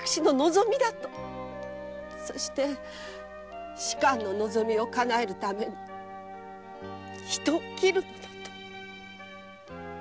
そして仕官の望みをかなえるために人を斬るのだと。